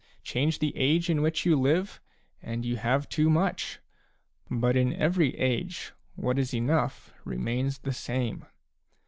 Change the age in which you live, and you have too much. But in every age, what is enough remains the same.